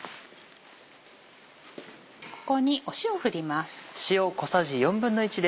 ここに塩を振ります。